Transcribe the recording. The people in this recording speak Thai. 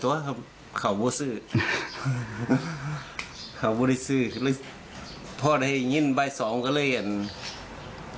ตัวเขาเขาบูริซื้อเขาบูริซื้อพอได้ยินใบสองก็เลยอ่ะ